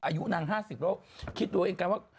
อายุนาง๕๐แล้วคิดดูเองกันว่า